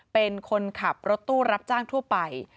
เป็นคนขับรถตู้รับจ้างทั่วไป